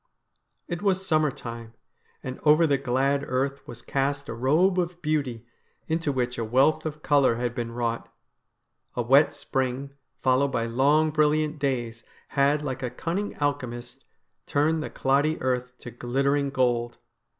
It was summer time, and over the glad earth was cast a robe of beauty, into which a wealth of colour had been wrought. A wet spring, followed by long brilliant days, had, like a cunning alchemist, turned the cloddy earth to glittering gold.